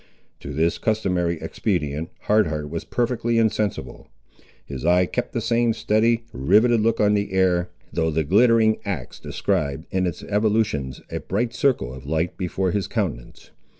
To this customary expedient Hard Heart was perfectly insensible. His eye kept the same steady, riveted look on the air, though the glittering axe described, in its evolutions, a bright circle of light before his countenance.